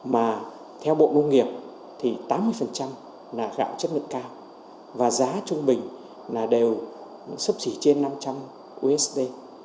mà theo bộ nông nghiệp thì tám mươi là gạo chất lượng cao và giá trung bình là đều sấp xỉ trên năm trăm linh usd